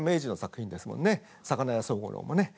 「魚屋宗五郎」もね。